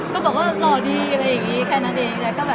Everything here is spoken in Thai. ก็บอกว่าเหล่าใหญ่แค่นั้นเอง